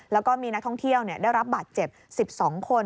แล้วก็มีนักท่องเที่ยวได้รับบาดเจ็บ๑๒คน